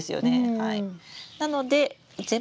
はい。